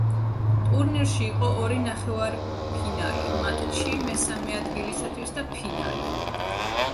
ტურნირში იყო ორი ნახევარფინალი, მატჩი მესამე ადგილისათვის და ფინალი.